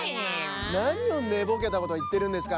なにをねぼけたこといってるんですか。